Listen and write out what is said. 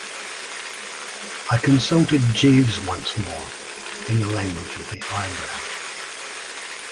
I consulted Jeeves once more in the language of the eyebrow.